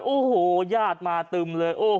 โอ้โหญาติมาตึมเลย